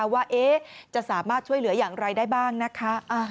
ว่าจะสามารถช่วยเหลืออย่างไรได้บ้างนะคะ